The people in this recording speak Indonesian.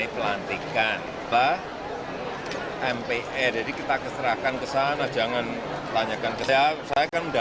apa yang mau dibicarakan mpr nya pimpinannya belum ada